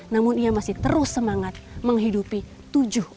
namun ia masih terus semangat menghidupi tujuh orang